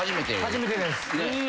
初めてです。